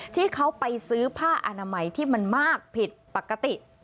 ที่เขาไปซื้อผ้าอนามัยที่มันมากผิดปกติ